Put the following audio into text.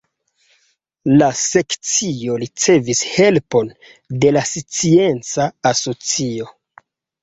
La Sekcio ricevis helpon de la Scienca Asocio.